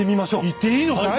行っていいのかい？